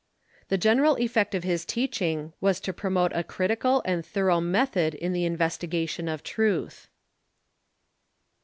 The general effect of his teaching Avas to promote a critical and thorough method in the investigation of truth.